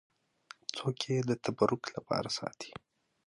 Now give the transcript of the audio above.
څوک یې د تبرک لپاره ساتي.